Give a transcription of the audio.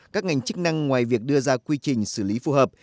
các ngành chức năng ngoài việc đưa ra quy trình xử lý phù hợp